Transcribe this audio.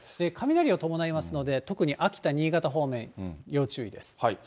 雷を伴いますので、特に秋田、新潟方面、要注意です。